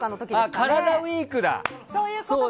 カラダＷＥＥＫだ！